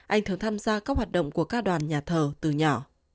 anh thường tham gia các hoạt động của các đoàn nhà thờ từ nhỏ